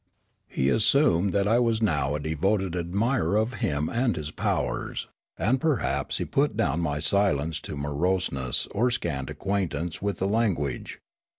He assumed that I was now a devoted admirer of him and his powers ; and perhaps he put down my silence to moroseness or scant acquaintance with the language.